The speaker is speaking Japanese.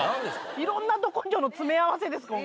いろんな「ど根性」の詰め合わせです今回。